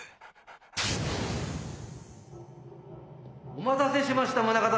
お待たせしました宗方先生。